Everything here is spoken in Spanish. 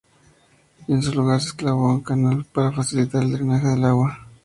Y en su lugar se excavó un canal para facilitar el drenaje del agua.